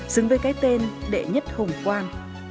xứng với cái tên đệ nhất hùng quan